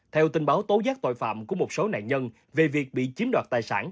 theo tình báo tố giác tội phạm của một số nạn nhân về việc bị chiếm đoạt tài sản